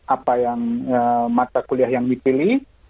apa yang mata kuliah yang dipilih